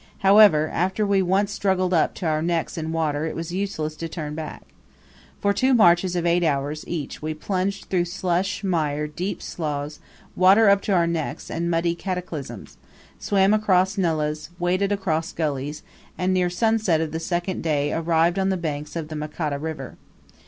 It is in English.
However, after we once struggled up to our necks in water it was use less to turn back. For two marches of eight hours each we plunged through slush, mire, deep sloughs, water up to our necks, and muddy cataclysms, swam across nullahs, waded across gullies, and near sunset of the second day arrived on the banks of the Makata River.